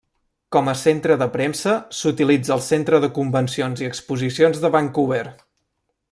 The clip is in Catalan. Com a centre de premsa s'utilitza el Centre de Convencions i Exposicions de Vancouver.